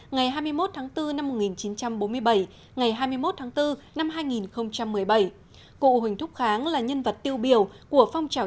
ngày hai mươi một tháng bốn năm một nghìn chín trăm bốn mươi bảy ngày hai mươi một tháng bốn năm hai nghìn một mươi bảy cụ huỳnh thúc kháng là nhân vật tiêu biểu của phong trào